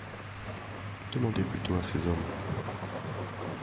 Demandez plutôt à ces hommes.